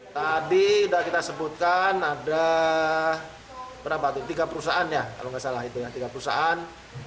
tadi sudah kita sebutkan ada tiga perusahaan ya kalau tidak salah itu tiga perusahaan